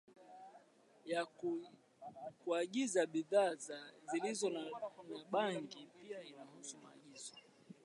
ya kuagiza bidhaa za dawa zilizo na bangi Pia inahusu maagizo